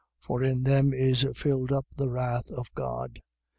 For in them is filled up the wrath of God.